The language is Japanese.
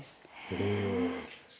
へえ。